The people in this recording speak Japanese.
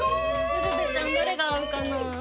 ルルベちゃんどれが合うかな？